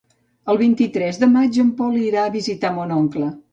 El vint-i-tres de maig en Pol irà a visitar mon oncle.